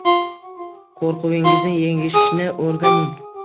Qo’rquvingizni yengishni o’rganing